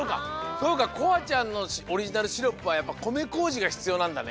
そうかこあちゃんのオリジナルシロップはやっぱこめこうじがひつようなんだね。